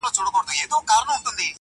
زندانونه به ماتيږي -